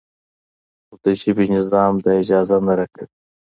خو د ژبې نظام دا اجازه نه راکوي.